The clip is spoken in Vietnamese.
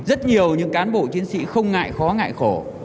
rất nhiều những cán bộ chiến sĩ không ngại khó ngại khổ